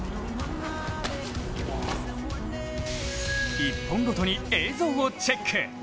１本ごとに映像をチェック。